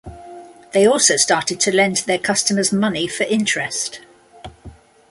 They also started to lend their customers' money for interest.